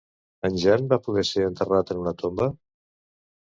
En Jan va poder ser enterrat en una tomba?